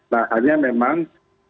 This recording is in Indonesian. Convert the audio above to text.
nah hanya memang